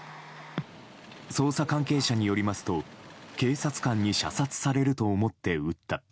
捜査関係者によりますと警察官に射殺されると思って撃った。